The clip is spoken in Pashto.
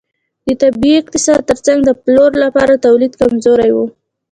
د طبیعي اقتصاد ترڅنګ د پلور لپاره تولید کمزوری و.